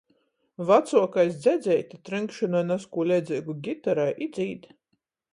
Vacuokais dzjadzeite trynkšynoj nazkū leidzeigu gitarai i dzīd.